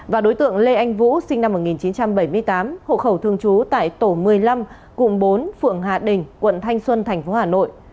và đối tượng lê anh vũ sinh năm một nghìn chín trăm bảy mươi tám hộ khẩu thường trú tại tổ một mươi năm cùng bốn phượng hà đình quận thanh xuân thành phố hà nội